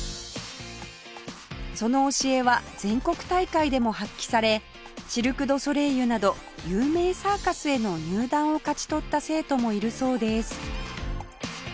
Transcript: その教えは全国大会でも発揮されシルク・ドゥ・ソレイユなど有名サーカスへの入団を勝ち取った生徒もいるそうです